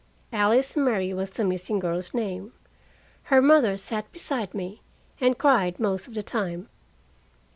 Alice Murray was the missing girl's name. Her mother sat beside me, and cried most of the time.